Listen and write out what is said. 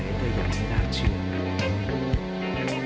อีกสิ่งที่ไม่น่าเชื่อ